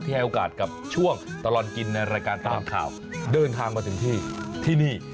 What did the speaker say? ให้โอกาสกับช่วงตลอดกินในรายการตามข่าวเดินทางมาถึงที่ที่นี่